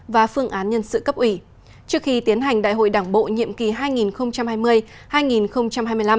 và phương án nhân sự cấp ủy trước khi tiến hành đại hội đảng bộ nhiệm kỳ hai nghìn hai mươi hai nghìn hai mươi năm